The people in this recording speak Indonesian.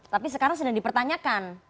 tapi sekarang sudah dipertanyakan